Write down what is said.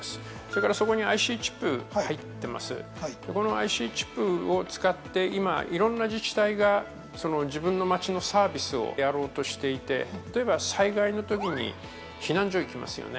ＩＣチップを使って、いろんな自治体が街のサービスをやろうとしていて、例えば災害のときに避難所へ行きますね。